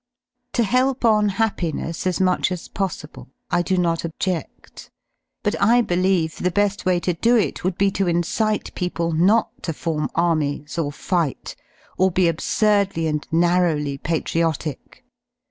J To help on happiness as much as possible I do not objeft, but I believe the be^ way to do it would be to incite people not to form armies or fight or be absurdly and narrowly patriotic.